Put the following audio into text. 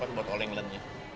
persiapan buat all england